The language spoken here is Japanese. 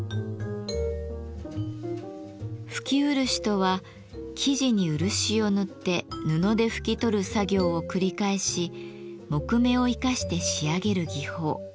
拭き漆とは木地に漆を塗って布で拭き取る作業を繰り返し木目を生かして仕上げる技法。